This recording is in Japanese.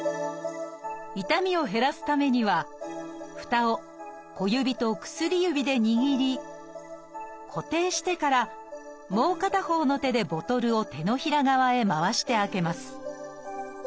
痛みを減らすためにはふたを小指と薬指で握り固定してからもう片方の手でボトルを手のひら側へ回して開けます。